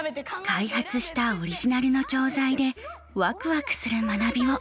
開発したオリジナルの教材でワクワクする学びを。